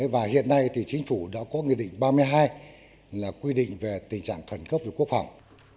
và hiện nay thì chính phủ đã có nghị định ba mươi hai là quy định về tình trạng khẩn cấp về quốc phòng